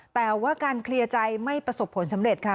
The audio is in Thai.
แต่ว่าการเคลียร์ใจไม่ประสบผลสำเร็จค่ะ